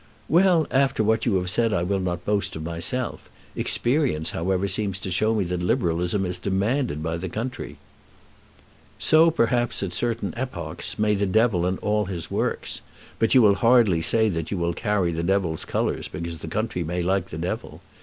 "Well; after what you have said I will not boast of myself. Experience, however, seems to show me that Liberalism is demanded by the country." "So, perhaps, at certain epochs, may the Devil and all his works; but you will hardly say that you will carry the Devil's colours because the country may like the Devil.